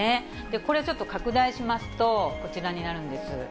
これちょっと拡大しますと、こちらになるんです。